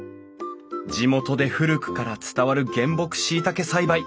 地元で古くから伝わる原木しいたけ栽培。